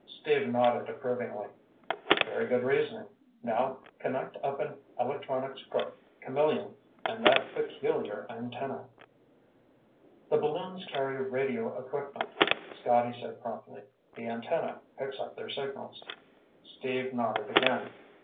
Steve nodded approvingly. "Very good reasoning. Now connect up an electronics crook, Camillion, and that peculiar antenna." "The balloons carry radio equipment," Scotty said promptly. "The antenna picks up their signals." Steve nodded again.